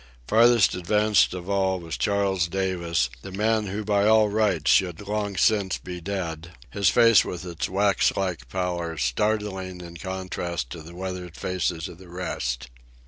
Farthest advanced of all was Charles Davis, the man who by all rights should long since be dead, his face with its wax like pallor startlingly in contrast to the weathered faces of the rest.